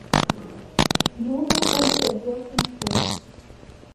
Нуным политотдел туныктен.